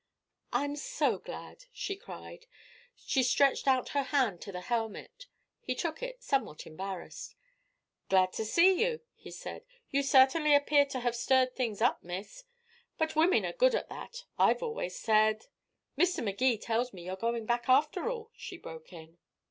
"I'm so glad," she cried. She stretched out her hand to the hermit. He took it, somewhat embarrassed. "Glad to see you," he said. "You certainly appear to have stirred things up, miss. But women are good at that. I've always said " "Mr. Magee tells me you're going back, after all?" she broke in.